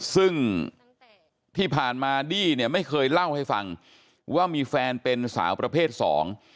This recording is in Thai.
ซึ่งที่ผ่านมาดี้เนี่ยไม่เคยเล่าให้ฟังว่ามีแฟนเป็นสาวประเภทสอง